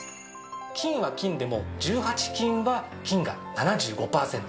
金は金でも１８金は金が７５パーセント。